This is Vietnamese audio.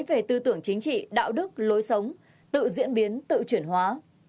về tư tưởng chính trị đạo đức lối sống tự diễn biến tự chuyển hóa